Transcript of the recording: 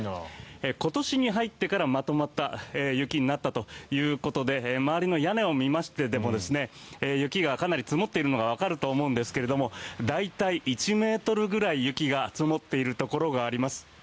今年に入ってからまとまった雪になったということで周りの屋根を見ましても雪がかなり積もっているのがわかると思うんですが大体１ｍぐらい雪が積もっているところがあります。